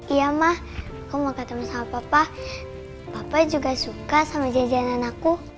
iya mah aku mau ketemu sama papa bapak juga suka sama jajanan aku